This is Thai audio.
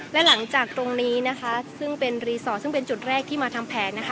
และหลังจากตรงนี้นะคะซึ่งเป็นรีสอร์ทซึ่งเป็นจุดแรกที่มาทำแผนนะคะ